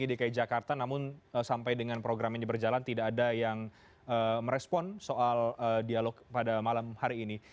di dki jakarta namun sampai dengan program ini berjalan tidak ada yang merespon soal dialog pada malam hari ini